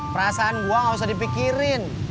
perasaan gua gak usah dipikirin